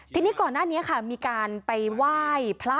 ทีนี้ก่อนหน้านี้ค่ะมีการไปไหว้พระ